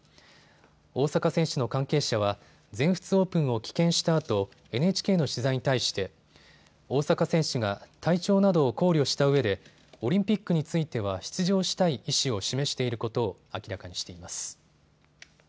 大坂選手の関係者は全仏オープンを棄権したあとＮＨＫの取材に対して大坂選手が体調などを考慮したうえでオリンピックについては出場したい意思を示していることを明らかにしています。